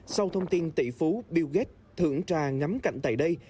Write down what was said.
sau thông tin tỷ phú bill gates thưởng trà ngắm cạnh tại đây